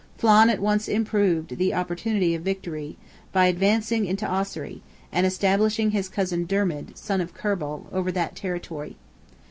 Flan at once improved the opportunity of victory by advancing into Ossory, and establishing his cousin Dermid, son of Kerball, over that territory.